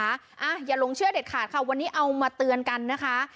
อย่าหลงเชื่อเด็ดขาดค่ะวันนี้เอามาเตือนกันนะคะ